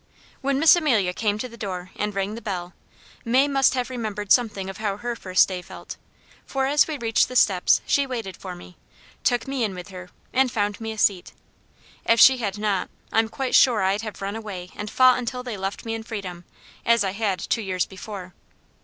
When Miss Amelia came to the door and rang the bell, May must have remembered something of how her first day felt, for as we reached the steps she waited for me, took me in with her, and found me a seat. If she had not, I'm quite sure I'd have run away and fought until they left me in freedom, as I had two years before.